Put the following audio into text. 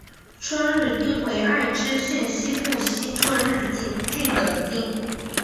春日町为爱知县西部西春日井郡的町。